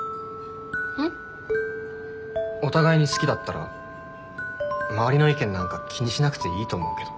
ん？お互いに好きだったら周りの意見なんか気にしなくていいと思うけど。